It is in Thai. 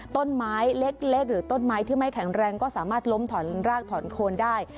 ต้นไม้เล็กหรือต้นไม้ที่ไม่แข็งแรงก็สามารถล้มถอนรากถอนโคนได้